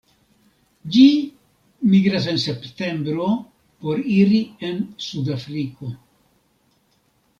Ĝi migras en septembro por iri en Sudafriko.